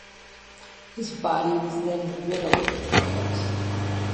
His body was then riddled with bullets.